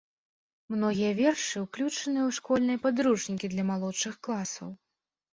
Многія вершы ўключаныя ў школьныя падручнікі для малодшых класаў.